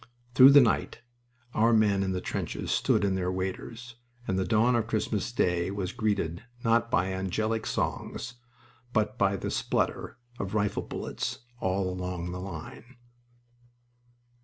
Through the night our men in the trenches stood in their waders, and the dawn of Christmas Day was greeted, not by angelic songs, but by the splutter of rifle bullets all along the line.